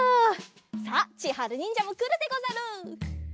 さあちはるにんじゃもくるでござる。